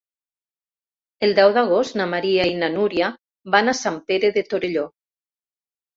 El deu d'agost na Maria i na Núria van a Sant Pere de Torelló.